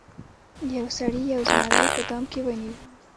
یو سړي یو زمری په دام کې ونیو.